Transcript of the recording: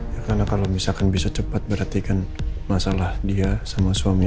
karena kalau misalkan bisa cepat berhati hatikan masalah dia sama suaminya